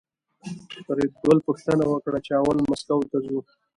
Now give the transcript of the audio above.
فریدګل پوښتنه وکړه چې اول مسکو ته ځو